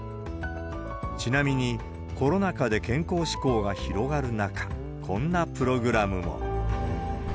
ちなみに、コロナ禍で健康志向が広がる中、こんなプログラムも。